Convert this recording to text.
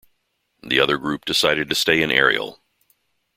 The other group decided to stay in Ariel.